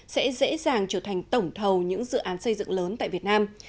sẽ dễ dàng trở thành tổng thầu những dự án xây dựng lớn tại việt nam